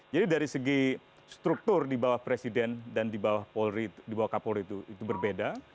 jadi dari segi struktur di bawah presiden dan di bawah polri di bawah kapolri itu berbeda